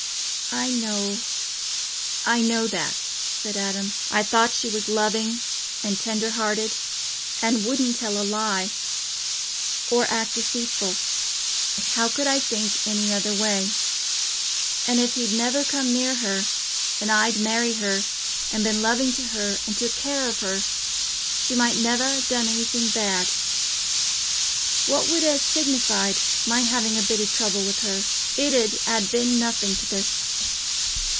"I know—I know that," said Adam. "I thought she was loving and tender hearted, and wouldn't tell a lie, or act deceitful. How could I think any other way? And if he'd never come near her, and I'd married her, and been loving to her, and took care of her, she might never ha' done anything bad. What would it ha' signified—my having a bit o' trouble with her? It 'ud ha' been nothing to this."